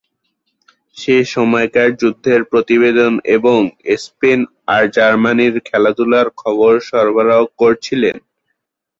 সে সময়কার যুদ্ধের প্রতিবেদন এবং স্পেন আর জার্মানির খেলাধূলার খবর সরবরাহ করছিলেন।